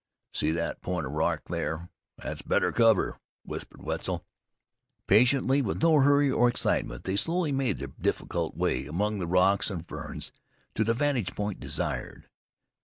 "See that point of rock thar? It's better cover," whispered Wetzel. Patiently, with no hurry or excitement, they slowly made their difficult way among the rocks and ferns to the vantage point desired.